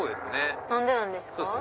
何でなんですか？